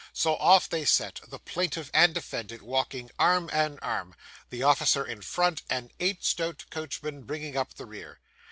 So off they set; the plaintiff and defendant walking arm in arm, the officer in front, and eight stout coachmen bringing up the rear.